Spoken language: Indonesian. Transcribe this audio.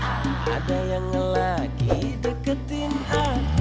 ada yang lagi deketin hati